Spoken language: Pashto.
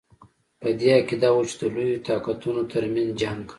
په دې عقیده وو چې د لویو طاقتونو ترمنځ جنګ.